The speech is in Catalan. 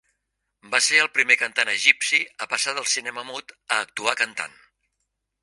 Va ser el primer cantant egipci a passar del cinema mut a actuar cantant.